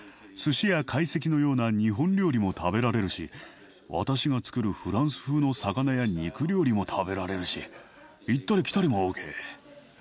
すしや懐石のような日本料理も食べられるし私がつくるフランス風の魚や肉料理も食べられるし行ったり来たりもＯＫ。